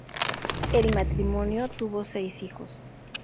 El matrimonio tuvo seis hijos.